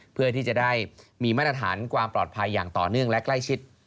เพื่อที่จะได้มีมาตรฐานความปลอดภัยอย่างต่อเนื่องและใกล้ชิด